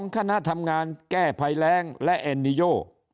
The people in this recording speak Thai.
คณะทำงานแก้ภัยแรงและเอ็นนิโย